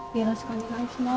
お願いします。